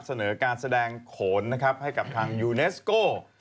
เสนอการแสดงโขนนะครับให้กับทางยูเนสโก้